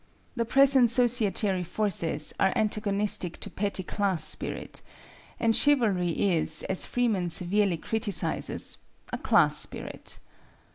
The present societary forces are antagonistic to petty class spirit, and Chivalry is, as Freeman severely criticizes, a class spirit.